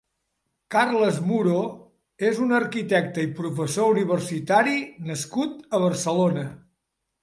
Carles Muro és un arquitecte i professor universitari nascut a Barcelona.